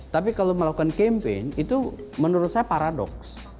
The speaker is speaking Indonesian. tapi kalau melakukan campaign itu menurut saya paradoks